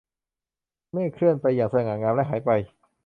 เมฆเคลื่อนไปอย่างสง่างามและหายไป